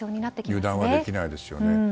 油断はできないですよね。